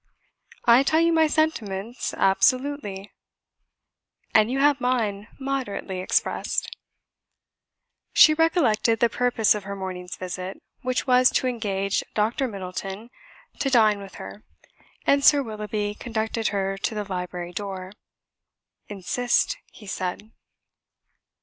"I tell you my sentiments absolutely." "And you have mine moderately expressed." She recollected the purpose of her morning's visit, which was to engage Dr. Middleton to dine with her, and Sir Willoughby conducted her to the library door. "Insist," he said.